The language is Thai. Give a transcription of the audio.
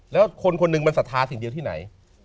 แล้วคนคนหนึ่งมันศรัทธาสิ่งเดียวที่ไหน